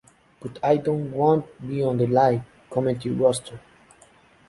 But I won't be on the live commentary roster.